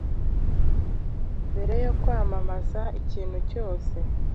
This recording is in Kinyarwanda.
mbere yo kwamamaza ikintu cyose